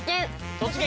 「突撃！